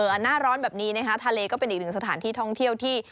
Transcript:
หน้าร้อนแบบนี้นะคะทะเลก็เป็นอีกหนึ่งสถานที่ท่องเที่ยวที่